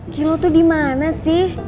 ki lo tuh dimana sih